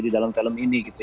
di dalam film ini gitu